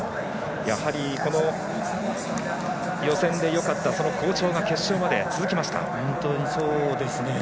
やはり、この予選でよかったその好調が決勝まで続きました。